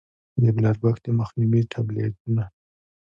د بلاربښت د مخنيوي ټابليټونه